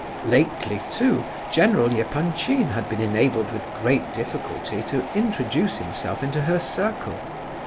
Lately, too, General Epanchin had been enabled with great difficulty to introduce himself into her circle.